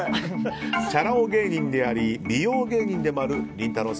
チャラ男芸人であり美容芸人でもあるりんたろー。